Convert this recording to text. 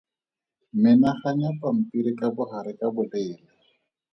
Menaganya pampiri ka bogare ka boleele.